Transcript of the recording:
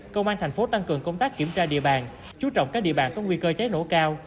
công an tp hcm kiểm tra địa bàn chú trọng các địa bàn có nguy cơ cháy nổ cao